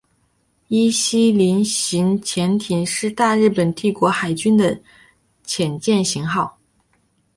伊四零型潜艇是大日本帝国海军的潜舰型号。